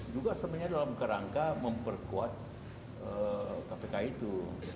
juga sebenarnya dalam kerangka memperkuat kpk itu